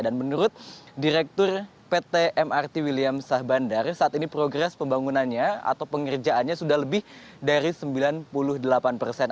dan menurut direktur pt mrt william sahbandar saat ini progres pembangunannya atau pengerjaannya sudah lebih dari sembilan puluh delapan persen